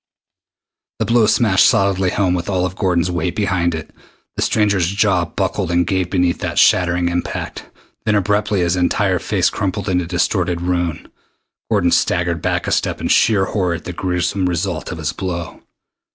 The blow smashed solidly home with all of Gordon's weight behind it. The stranger's jaw buckled and gave beneath that shattering impact. Then abruptly his entire face crumpled into distorted ruin. Gordon staggered back a step in sheer horror at the gruesome result of his blow.